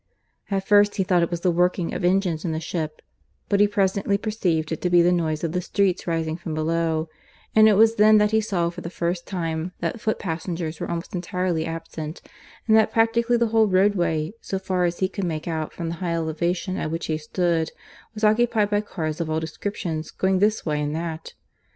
At first he thought it was the working of engines in the ship; but he presently perceived it to be the noise of the streets rising from below; and it was then that he saw for the first time that foot passengers were almost entirely absent, and that practically the whole roadway, so far as he could make out from the high elevation at which he stood, was occupied by cars of all descriptions going this way and that.